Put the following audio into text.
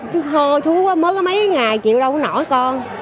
thôi thú quá mới có mấy ngày chịu đâu có nổi con